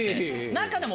中でも。